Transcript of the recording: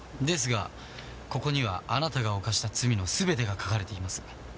ですがここにはあなたが犯した罪の全てが書かれています。